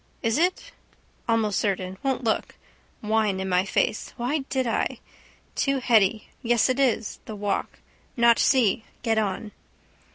Is it? Almost certain. Won't look. Wine in my face. Why did I? Too heady. Yes, it is. The walk. Not see. Get on.